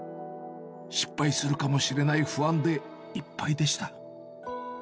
失敗するかもしれない不安でいっぱいでした。